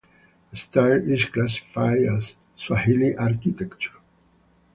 The style is classified as Swahili architecture.